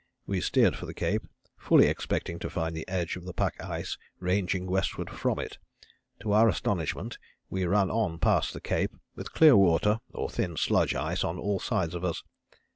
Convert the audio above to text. We steered for the Cape, fully expecting to find the edge of the pack ice ranging westward from it. To our astonishment we ran on past the Cape with clear water or thin sludge ice on all sides of us.